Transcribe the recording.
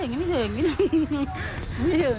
ปีไม่ถึงนะพี่อย่าพี่ถึงไม่ถึง